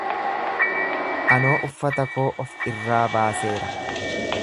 Anoo uffata koo of irraa baaseera.